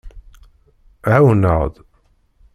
Ɛawen-aɣ-d.